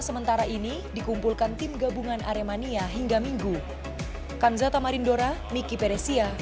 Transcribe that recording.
sementara ini dikumpulkan tim gabungan aremania hingga minggu kanjata marindora miki peresiah